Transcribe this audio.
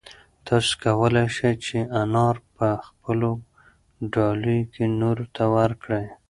تاسو کولای شئ چې انار په خپلو ډالیو کې نورو ته ورکړئ.